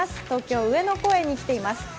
東京・上野公園に来ています。